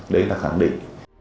đấy là khẳng định